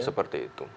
ya seperti itu